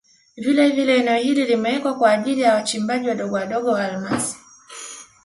Vilevile eneo hili limewekwa kwa ajili ya wachimbaji wadogo wadogo wa almasi